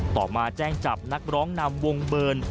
ต่อมาแจ้งจับนักร้องนำวงเบิร์น